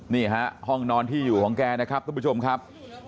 นี่ฮะห้องนอนที่อยู่ของแกนะครับทุกผู้ชมครับ